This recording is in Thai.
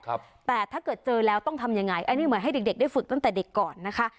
แต่ถ้าเกิดเจอแล้วต้องทำยังไงอันนี้เหมือนให้เด็กเด็กได้ฝึกตั้งแต่เด็กก่อนนะคะ